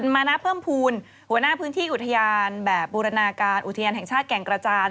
มานะเพิ่มภูมิหัวหน้าพื้นที่อุทยานแบบบูรณาการอุทยานแห่งชาติแก่งกระจาน